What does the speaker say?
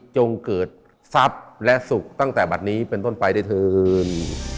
จงเกิดทรัพย์และสุขตั้งแต่บัตรนี้เป็นต้นไปได้เถิน